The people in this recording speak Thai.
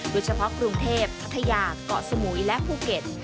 โดยเฉพาะกรุงเทพพัทยาเกาะสมุยและภูเก็ต